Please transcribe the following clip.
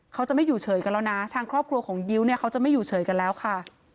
เขาจะไม่อยู่เฉยกันแล้วนะทางครอบครัวของยิ้วเนี่ยเขาจะไม่อยู่เฉยกันแล้วค่ะ